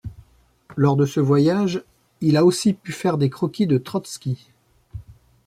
Lors de ce voyage, il a aussi pu faire des croquis de Trotsky.